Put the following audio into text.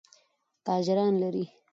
تاجران لري.